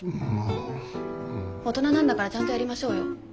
大人なんだからちゃんとやりましょうよ。